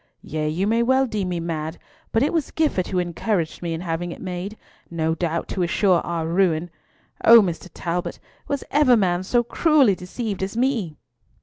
Yea, you may well deem me mad, but it was Gifford who encouraged me in having it made, no doubt to assure our ruin. Oh, Mr. Talbot! was ever man so cruelly deceived as me?"